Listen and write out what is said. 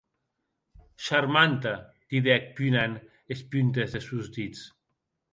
Charmante!, didec, punant es puntes des sòns dits.